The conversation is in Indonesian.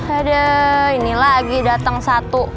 ada ini lagi dateng satu